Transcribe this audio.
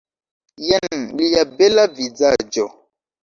Jen lia bela vizaĝo